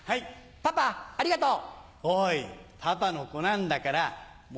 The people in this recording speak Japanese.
パパありがとう。